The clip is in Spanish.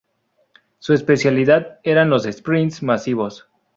Su especialidad eran los sprints masivos.